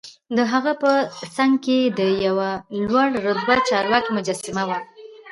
دهغه په څنګ کې د یوه لوړ رتبه چارواکي مجسمه وه.